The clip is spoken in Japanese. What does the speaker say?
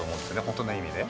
本当の意味で。